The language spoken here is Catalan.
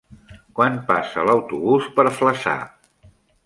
Quan passa l'autobús per Flaçà?